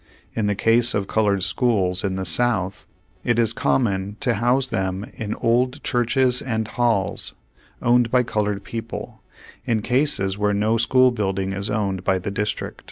In the case of colored schools in the South, it is common to house them in old churches and halls, owned by colored people, in cases where no school building is owned by the district.